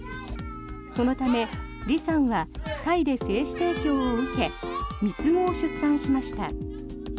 そのためリさんはタイで精子提供を受け三つ子を出産しました。